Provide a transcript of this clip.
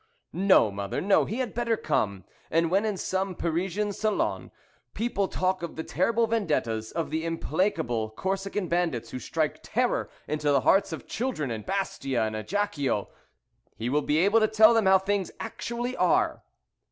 "No, mother, no, he had better come; and when in some Parisian salon people talk of the terrible Vendettas, of the implacable Corsican bandits who strike terror into the hearts of children in Bastia and Ajaccio, he will be able to tell them how things actually are."